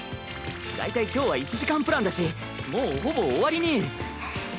だいたい今日は１時間プランだしもうほぼ終わりに。